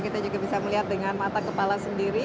kita juga bisa melihat dengan mata kepala sendiri